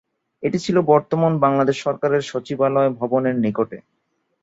এটি ছিল বর্তমান বাংলাদেশ সরকারের সচিবালয় ভবনের নিকটে।